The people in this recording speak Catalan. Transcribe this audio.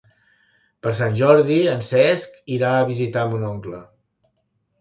Per Sant Jordi en Cesc irà a visitar mon oncle.